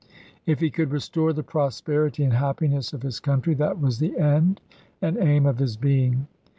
If he could restore the prosperity and happiness of his country, that was the end and aim of his being.